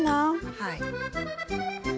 はい。